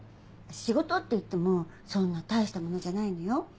仕事っていってもそんな大したものじゃないのよ。